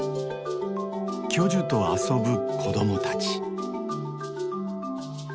巨樹と遊ぶ子供たち。